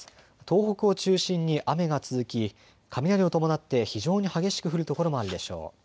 東北を中心に雨が続き雷を伴って非常に激しく降る所もあるでしょう。